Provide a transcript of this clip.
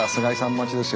待ちですよ